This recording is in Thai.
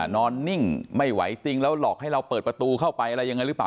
นอนนิ่งไม่ไหวจริงแล้วหลอกให้เราเปิดประตูเข้าไปอะไรยังไงหรือเปล่า